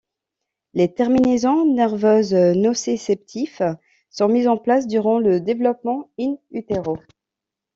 Les terminaisons nerveuses nociceptives sont mises en place durant le développement in utero.